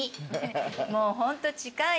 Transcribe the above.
もうホント近い。